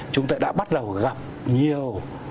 chúng ta đã bắt đầu gặp nhiều